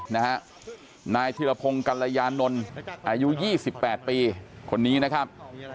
ไหนทิรพงกรยานนอายุ๒๘ปีคนนี้นะครับ